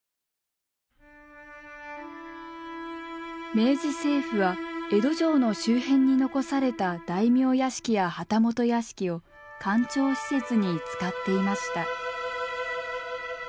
明治政府は江戸城の周辺に残された大名屋敷や旗本屋敷を官庁施設に使っていました。